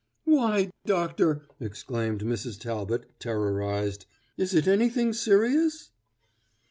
"Why, doctor," exclaimed Mrs. Talbot, terrorized, "is it anything serious?"